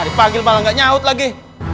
pagil pagil malah gak nyaut lagi